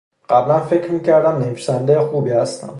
قبلا فکر میکردم نویسنده خوبی هستم